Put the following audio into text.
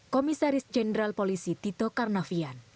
komisaris jenderal polisi tito karnavian